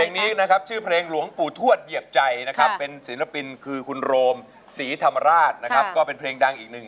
เพลงนี้นะครับชื่อเพลงหลวงปู่ทวดเหยียบใจนะครับเป็นศิลปินคือคุณโรมศรีธรรมราชนะครับก็เป็นเพลงดังอีกหนึ่ง